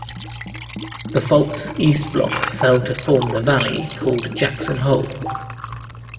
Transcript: The fault's east block fell to form the valley called Jackson Hole.